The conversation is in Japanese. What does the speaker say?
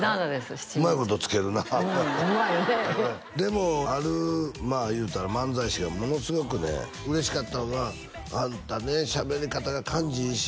七面鳥うまいこと付けるなうんうまいよねでもある言うたら漫才師がものすごくね嬉しかったんは「あんたねしゃべり方が感じいいし」